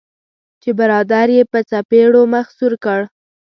چې برادر یې په څپیړو مخ سور کړ.